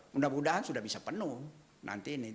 mudah mudahan sudah bisa penuh nanti ini